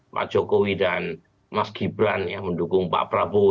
pak jokowi dan mas gibran ya mendukung pak prabowo